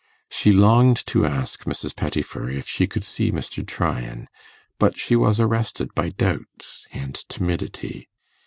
She longed to ask Mrs. Pettifer if she could see Mr. Tryan; but she was arrested by doubts and timidity.